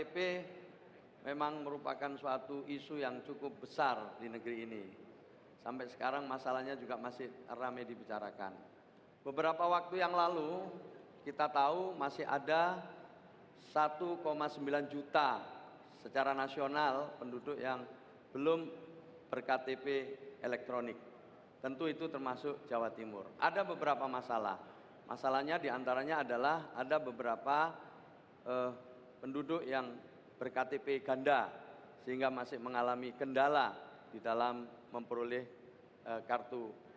pertanyaannya apa kebijakan dan program inovasi yang pasangan calon tawarkan untuk mempermudah layanan itu